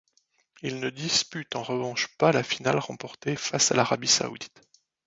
Il ne dispute en revanche pas la finale remportée face à l'Arabie saoudite.